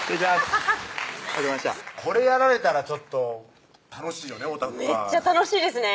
アハハッこれやられたらちょっと楽しいよねオタク会めっちゃ楽しいですね